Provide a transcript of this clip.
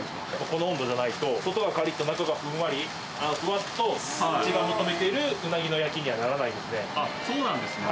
この温度じゃないと、外はかりっと、中はふんわり、ふわっと、うちが認めているうなぎの焼きにはならそうなんですね。